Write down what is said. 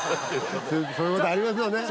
そういうことありますよね